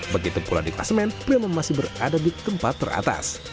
begitu pula di klasemen prima masih berada di tempat teratas